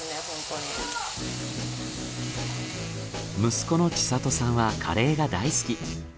息子の知慧さんはカレーが大好き。